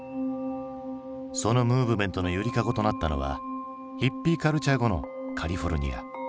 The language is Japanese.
そのムーブメントの揺りかごとなったのはヒッピー・カルチャー後のカリフォルニア。